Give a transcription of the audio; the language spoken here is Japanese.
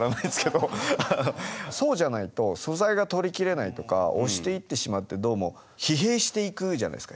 そうじゃないと素材が撮り切れないとか押していってしまってどうも疲弊していくじゃないですか。